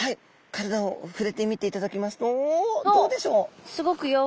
体をふれてみていただきますとどうでしょう？